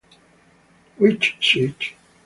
Which Switch?